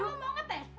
kamu mau ngetes